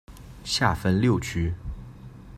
下分六区。